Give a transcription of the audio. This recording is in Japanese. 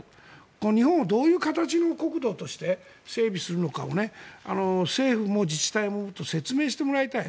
日本をどういう形の国土として整備するのかを政府も自治体ももっと説明してもらいたい。